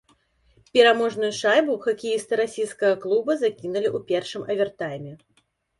Пераможную шайбу хакеісты расійскага клуба закінулі ў першым авертайме.